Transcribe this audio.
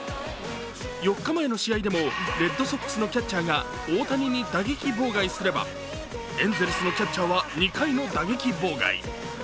４日前の試合でもレッドソックスのキャッチャーが大谷に打撃妨害すれば、エンゼルスのキャッチャーは２回の打撃妨害。